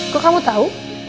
kok kamu tahu